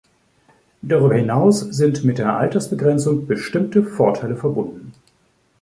Darüber hinaus sind mit der Altersbegrenzung bestimmte Vorteile verbunden.